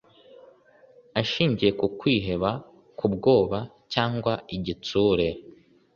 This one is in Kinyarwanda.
ashingiye ku kwiheba, ku bwoba cyangwa igitsure.